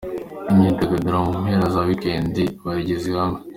Imyidagaduro mu mpera za week end bayigize ihame.